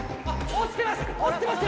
落ちてますよ